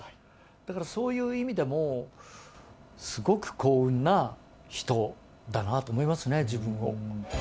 だからそういう意味でも、すごく幸運な人だなと思いますね、自分を。